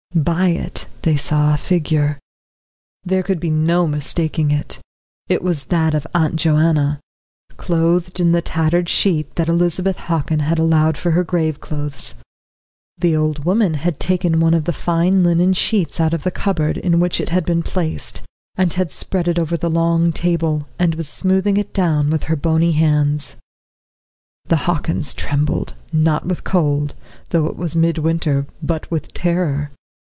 By it they saw a figure. There could be no mistaking it it was that of Aunt Joanna, clothed in the tattered sheet that Elizabeth Hockin had allowed for her grave clothes. The old woman had taken one of the fine linen sheets out of the cupboard in which it had been placed, and had spread it over the long table, and was smoothing it down with her bony hands. The Hockins trembled, not with cold, though it was mid winter, but with terror.